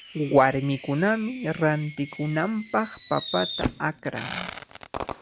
Warmikunami rantikunanpaq papata akran.